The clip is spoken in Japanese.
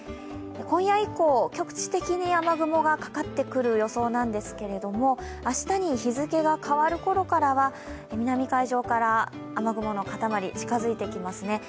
今夜以降、局地的に雨雲がかかってくる予想なんですが明日に日付が変わるころからは南海上から雨雲の塊が近づいてきますね